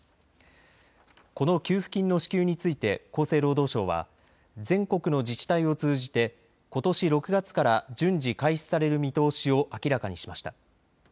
この給付金の支給について厚生労働省は全国の自治体を通じてことし６月から順次、開始される見通しを明らかにしました。